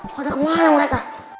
waduh kemana lu marek